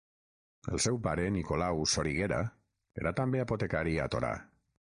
El seu pare, Nicolau Soriguera, era també apotecari a Torà.